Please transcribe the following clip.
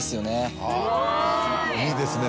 いいですね